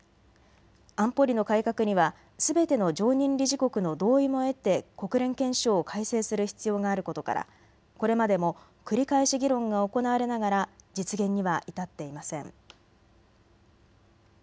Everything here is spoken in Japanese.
安保理の改革にはすべての常任理事国の同意も得て国連憲章を改正する必要があることから、これまでも繰り返し議論が行われながら実現には至っていません。